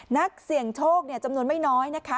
นักเสี่ยงโชคจำนวนไม่น้อยนะคะ